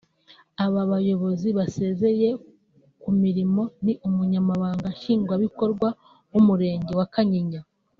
Aba bayobozi basezeye ku mirimo ni Umunyamabanga Nshingwabikorwa w’umurenge wa Kanyinya